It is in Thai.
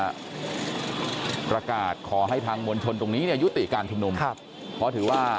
พอถือว่าจะออกหาเป้าประสงค์ในการชุมนมวันนี้แน่ต้อนจุดต่าง